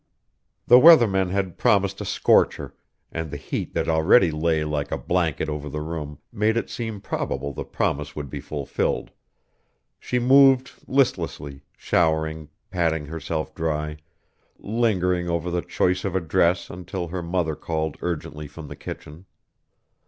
The weatherman had promised a scorcher, and the heat that already lay like a blanket over the room made it seem probable the promise would be fulfilled. She moved listlessly, showering patting herself dry, lingering over the choice of a dress until her mother called urgently from the kitchen.